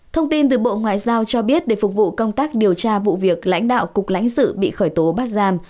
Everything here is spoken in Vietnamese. thông tin từ bộ ngoại giao cho biết để phục vụ công tác điều tra vụ việc lãnh đạo cục lãnh sự bị khởi tố bắt giam